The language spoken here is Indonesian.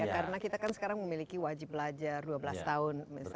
karena kita kan sekarang memiliki wajib belajar dua belas tahun